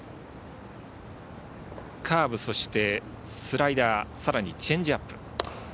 カーブ、スライダーさらにはチェンジアップ。